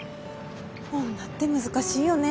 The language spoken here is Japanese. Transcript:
女って難しいよね。